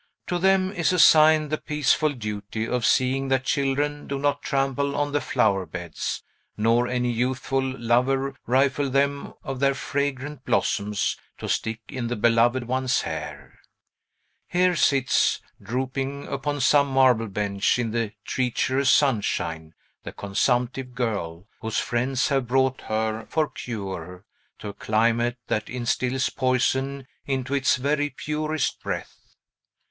To them is assigned the peaceful duty of seeing that children do not trample on the flower beds, nor any youthful lover rifle them of their fragrant blossoms to stick in the beloved one's hair. Here sits (drooping upon some marble bench, in the treacherous sunshine) the consumptive girl, whose friends have brought her, for cure, to a climate that instils poison into its very purest breath.